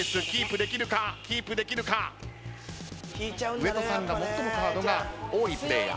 上戸さんが最もカードが多いプレイヤー。